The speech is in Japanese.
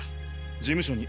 事務所に。